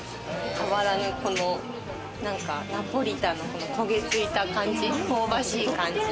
変わらぬこのナポリタンの焦げついた感じ、香ばしい感じ。